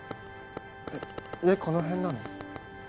えっ家この辺なの？